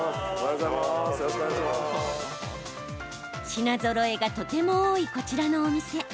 品ぞろえがとても多いこちらのお店。